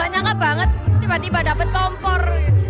gak nyangka banget tiba tiba dapet kompor